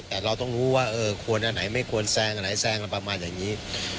แต่เราต้องรู้ว่าเออควรอันไหนไม่ควรแซงอันไหนแซงอะไรประมาณอย่างนี้